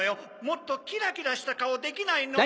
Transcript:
もっとキラキラしたカオできないの？